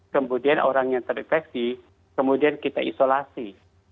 kemudian orang yang terinfeksi kemudian kita isolasi